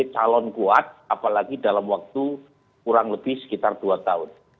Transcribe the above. calon kuat apalagi dalam waktu kurang lebih sekitar dua tahun